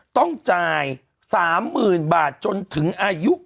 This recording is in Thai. ต้องจ่าย๓หมื่นบาทจนถึงอายุ๘๐